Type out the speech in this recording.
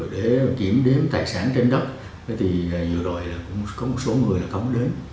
để kiểm đếm tài sản trên đất thì nhiều rồi cũng có một số người không đến